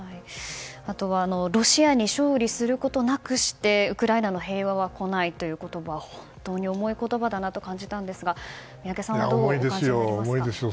あとはロシアに勝利することなくしてウクライナの平和は来ないという言葉は本当に重い言葉だなと感じたんですが宮家さんはどうお感じになりますか？